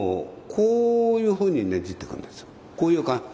こういう感じで。